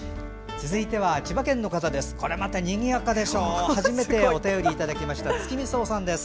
続いては千葉県の方です。